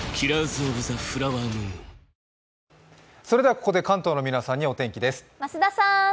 ここで関東の皆さんにお天気です。